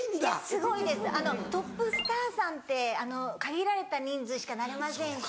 すごいですトップスターさんって限られた人数しかなれませんし。